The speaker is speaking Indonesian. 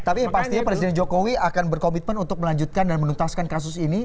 tapi yang pastinya presiden jokowi akan berkomitmen untuk melanjutkan dan menuntaskan kasus ini